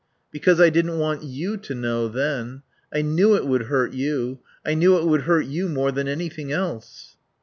"Because I didn't want you to know, then. I knew it would hurt you, I knew it would hurt you more than anything else."